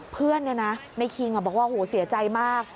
เพื่อนในคิงบอกว่าโหเสียใจมาก